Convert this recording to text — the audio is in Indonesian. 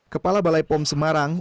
kepala balai pom semarang